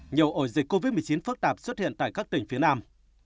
nhiều ổ dịch covid một mươi chín phức tạp xuất hiện tại các tỉnh phía nam